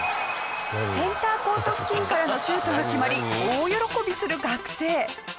センターコート付近からのシュートが決まり大喜びする学生。